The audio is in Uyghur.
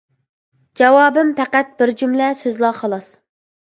جاۋابىم پەقەت بىر جۈملە سۆزلا خالاس.